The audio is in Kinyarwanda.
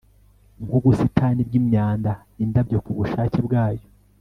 Nkubusitani bwimyanda indabyo kubushake bwayo